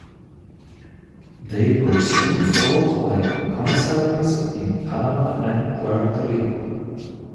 They were soon followed by commissaries in Panama and Puerto Rico.